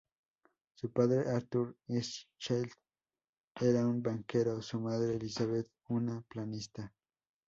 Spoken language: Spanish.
Su padre, Arthur Hirschfeld, era un banquero, su madre Elisabeth, una pianista.